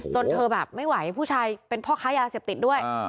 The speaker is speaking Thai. เธอแบบไม่ไหวผู้ชายเป็นพ่อค้ายาเสพติดด้วย